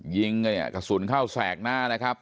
ยิงเนี่ยกระสุนเข้าแสกหน้านะครับ